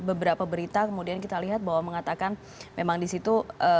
beberapa berita kemudian kita lihat bahwa mengatakan memang di situ